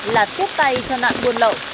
là tiếp tay cho nạn buôn lậu